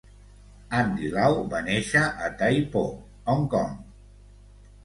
Andy Lau va néixer a Tai Po, Hong Kong.